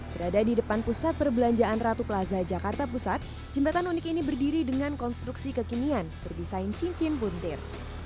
berada di depan pusat perbelanjaan ratu plaza jakarta pusat jembatan unik ini berdiri dengan konstruksi kekinian berdesain cincin puntir